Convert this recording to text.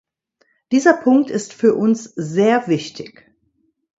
Dieser Punkt ist für uns sehr wichtig.